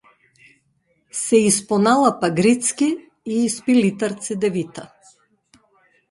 Се испоналапа грицки и испи литар цедевита.